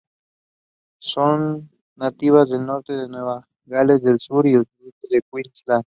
Son nativas del norte de Nueva Gales del Sur y el sureste de Queensland.